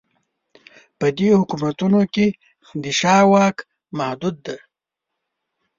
په دې حکومتونو کې د شاه واک محدود دی.